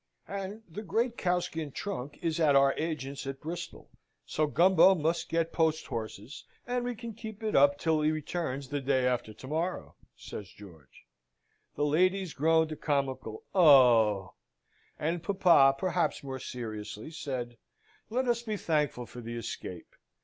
"And the great cowskin trunk is at our agent's at Bristol: so Gumbo must get post horses, and we can keep it up till he returns the day after to morrow," says George. The ladies groaned a comical "Oh!" and papa, perhaps more seriously, said, "Let us be thankful for the escape.